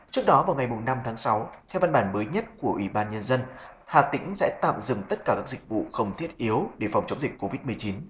trước đó vào ngày năm tháng sáu theo văn bản mới nhất của ủy ban nhân dân hà tĩnh sẽ tạm dừng tất cả các dịch vụ không thiết yếu để phòng chống dịch covid một mươi chín